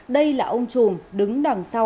đây là ông trùm đứng đằng sau